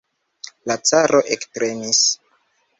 La caro ektremis.